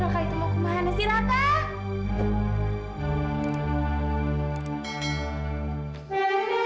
loh raka itu mau kemana sih raka